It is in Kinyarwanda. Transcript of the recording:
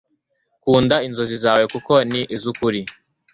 Kunda inzozi zawe kuko ni izukuri